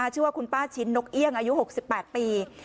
ชื่อว่าคุณป้าชิ้นนกเอี่ยงอายุ๖๘ปี